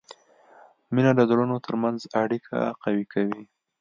مینه د زړونو ترمنځ اړیکه قوي کوي.